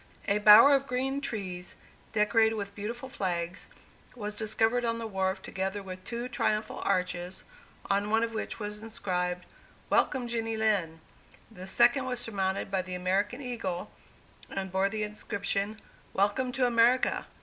A bower of green trees, decorated with beautiful flags, was discovered on the wharf, together with two triumphal arches, on one of which was inscribed, "Welcome, Jenny Lind!" The second was surmounted by the American eagle, and bore the inscription, "Welcome to America!"